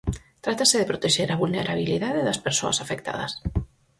Trátase de protexer a vulnerabilidade das persoas afectadas.